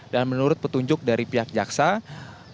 dan menurut petunjuk dari pihak kejaksaan tinggi dki jakarta